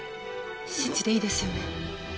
信じていいですよね？